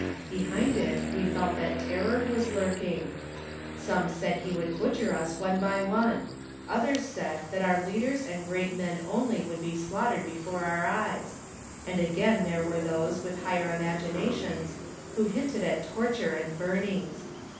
Behind it we felt that terror was lurking. Some said he would butcher us one by one; others said that our leaders and great men only would be slaughtered before our eyes; and again there were those with higher imaginations who hinted at torture and burnings.